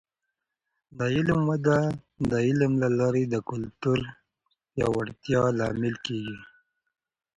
د علم وده د علم له لارې د کلتور پیاوړتیا لامل کیږي.